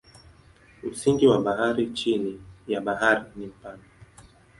Msingi wa bara chini ya bahari ni mpana.